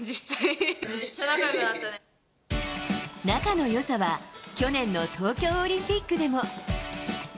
仲の良さは去年の東京オリンピックでも。